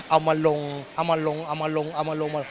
เอามาลงเอามาลงเอามาลงเอามาลงมา